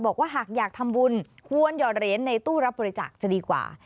บอกว่าหากอยากทำบุญควรหยอดเหรียญในตู้รับบริจาคจะดีกว่า